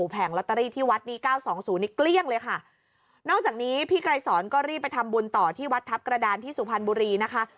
แผงลอตเตอรีวัดนี้เกลี้ยงเลยค่ะนอกจากนี้พี่กลายสรนก็รีดไปทำบุญต่อที่วัดทัพกระดานที่สุภาณบุรีนะคะ